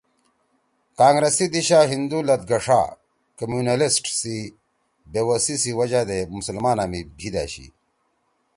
کانگرس سی دیِشا ہندو لَتگَݜا (Communalists) سی بےوَسی سی وجہ دے مسلمانا می بھیِت أشی